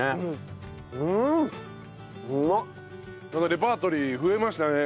レパートリー増えましたね。